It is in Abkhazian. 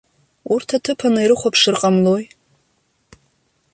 Урҭ аҭыԥаны ирыхәаԥшыр ҟамлои.